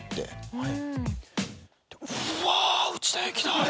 はい。